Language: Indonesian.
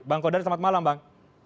bang kodari selamat malam bang